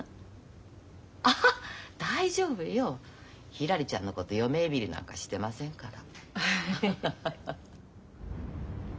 大丈夫よひらりちゃんのこと嫁いびりなんかしてませんから。